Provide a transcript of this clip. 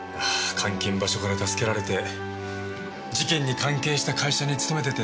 監禁場所から助けられて事件に関係した会社に勤めてて。